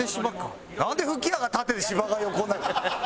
なんで吹き矢が縦で芝が横になるの？